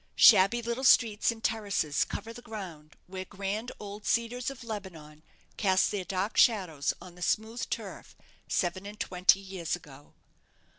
Shabby little streets and terraces cover the ground where grand old cedars of Lebanon cast their dark shadows on the smooth turf seven and twenty years ago.